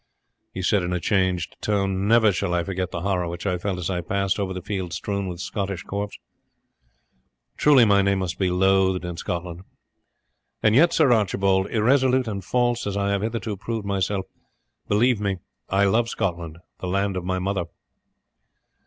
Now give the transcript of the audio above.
he said in a changed tone, "never shall I forget the horror which I felt as I passed over the field strewn with Scottish corpses. Truly my name must be loathed in Scotland; and yet, Sir Archibald, irresolute and false as I have hitherto proved myself, believe me, I love Scotland, the land of my mother."